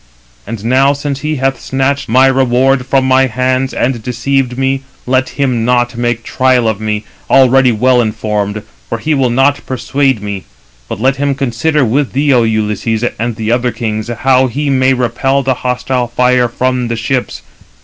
And now since he hath snatched my reward from my hands, and deceived me, let him not make trial of me, already well informed, for he will not persuade me; but let him consider with thee, O Ulysses, and the other kings, how he may repel the hostile fire from the ships.